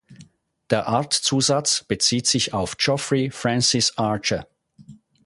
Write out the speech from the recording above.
Der Artzusatz bezieht sich auf Geoffrey Francis Archer.